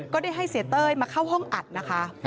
ก็ได้ให้เสียเต้ยมาเข้าห้องอัดนะคะ